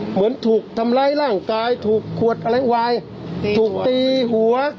เหมือนถูกทำร้ายร่างกายถูกขวดอะไรวายถูกตีหัว